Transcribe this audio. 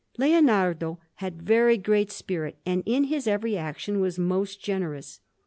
Canvas on Panel_)] Leonardo had very great spirit, and in his every action was most generous.